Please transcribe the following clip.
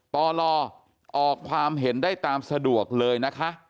ปลออกความเห็นได้ตามสะดวกเลยนะคะ